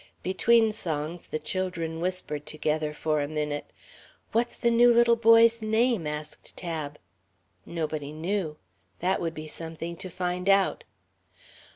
Between songs the children whispered together for a minute. "What's the new little boy's name?" asked Tab. Nobody knew. That would be something to find out.